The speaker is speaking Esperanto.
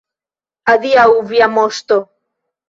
Adiaŭ, via Moŝto.